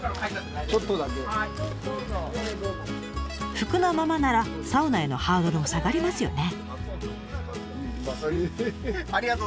服のままならサウナへのハードルも下がりますよね。